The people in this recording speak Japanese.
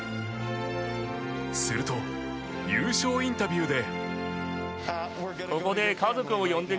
すると、優勝インタビューで。